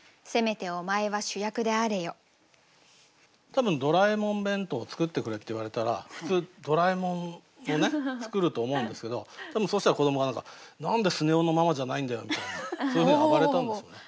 多分ドラえもん弁当を作ってくれって言われたら普通ドラえもんをね作ると思うんですけど多分そうしたら子どもが何か「何でスネ夫のママじゃないんだよ」みたいなそういうふうに暴れたんでしょうね。